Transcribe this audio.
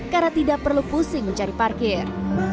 karena tidak perlu pusing mencari parkir